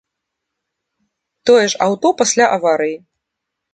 Тое ж аўто пасля аварыі.